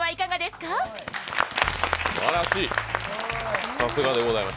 すばらしい。